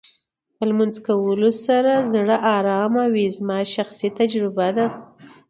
په لمونځ کولو سره زړه ارامه وې زما شخصي تجربه.